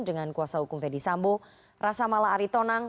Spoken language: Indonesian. dengan kuasa hukum verdi sambo rasamala aritonang